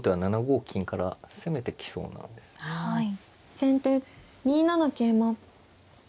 先手２七桂馬。